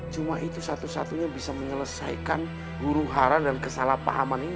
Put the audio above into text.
cuma itu satu satunya bisa menyelesaikan huru hara dan kesalahpahaman ini